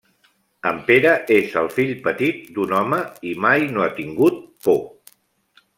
En Pere és el fill petit d'un home i mai no ha tingut por.